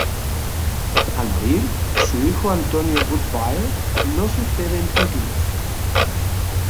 Al morir, su hijo Antonio Woodville lo sucede en títulos.